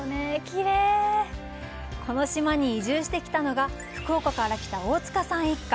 この島に移住してきたのが福岡から来た大塚さん一家。